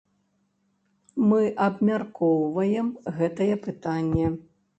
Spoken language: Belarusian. Мы абмяркоўваем гэтае пытанне.